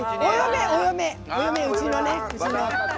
お嫁、うちのね。